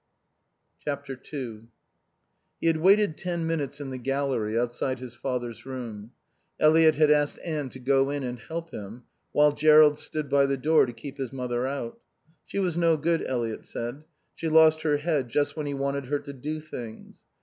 ii He had waited ten minutes in the gallery outside his father's room. Eliot had asked Anne to go in and help him while Jerrold stood by the door to keep his mother out. She was no good, Eliot said. She lost her head just when he wanted her to do things.